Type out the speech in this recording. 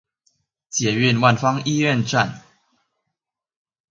捷運萬芳醫院站